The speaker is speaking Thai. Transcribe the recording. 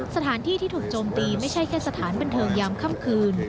สถานที่ที่ถูกโจมตีไม่ใช่แค่สถานบันเทิงยามค่ำคืน